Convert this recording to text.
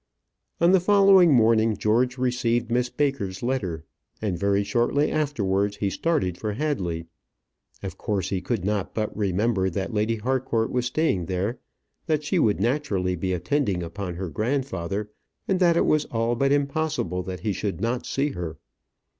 On the following morning, George received Miss Baker's letter, and very shortly afterwards he started for Hadley. Of course he could not but remember that Lady Harcourt was staying there; that she would naturally be attending upon her grandfather, and that it was all but impossible that he should not see her.